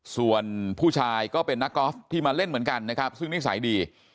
ส่วนผู้ชายก็เป็นนักกอล์ฟที่มาเล่นเหมือนกันนะครับซึ่งนิสัยดี